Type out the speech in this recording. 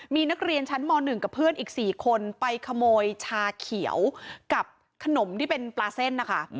มีนักเรียนชั้นม๑กับเพื่อนอีก๔คนไปขโมยชาเขียวกับขนมที่เป็นปลาเส้นนะคะ